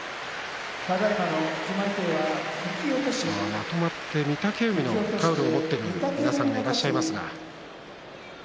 まとまって御嶽海のタオルを持っている皆さんがいらっしゃいます。